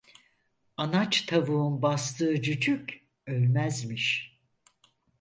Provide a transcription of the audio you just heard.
Anaç tavuğun bastığı cücük, ölmezmiş.